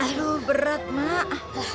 aduh berat mak